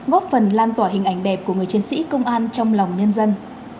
góp phần lan tỏa hình ảnh đẹp của người chiến sĩ công an trong lòng nhân dân